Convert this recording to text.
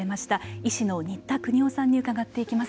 医師の新田國夫さんに伺っていきます。